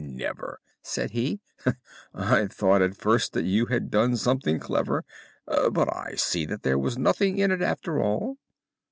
"Well, I never!" said he. "I thought at first that you had done something clever, but I see that there was nothing in it after all."